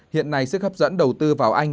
hiện nay sức hấp dẫn đầu tư vào anh